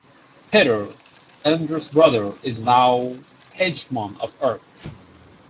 Peter, Ender's brother, is now Hegemon of Earth.